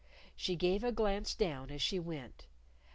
She gave a glance down as she went.